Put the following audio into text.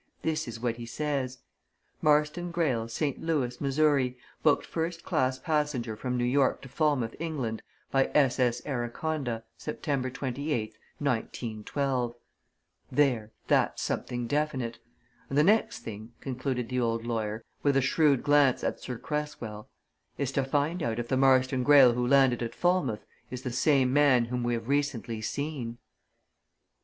This is what he says: 'Marston Greyle, St. Louis, Missouri, booked first class passenger from New York to Falmouth, England, by S.S. Araconda, September 28th, 1912.' There that's something definite. And the next thing," concluded the old lawyer, with a shrewd glance at Sir Cresswell, "is to find out if the Marston Greyle who landed at Falmouth is the same man whom we have recently seen!"